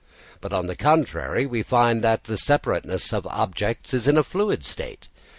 But on the contrary, we find that the separateness of objects is in a fluid state.